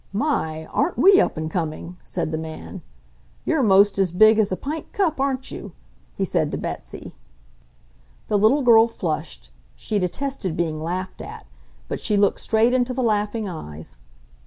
"My! Aren't we up and coming!" said the man. "You're most as big as a pint cup, aren't you?" he said to Betsy. The little girl flushed—she detested being laughed at—but she looked straight into the laughing eyes.